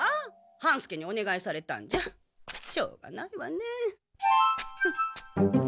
半助におねがいされたんじゃしょうがないわね。